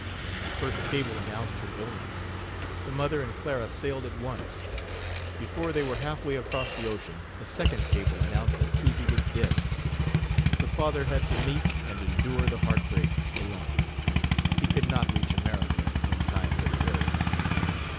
The first cable announced her illness. The mother and Clara sailed at once. Before they were half way across the ocean a second cable announced that Susy was dead. The father had to meet and endure the heartbreak alone; he could not reach America, in time for the burial.